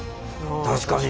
確かに。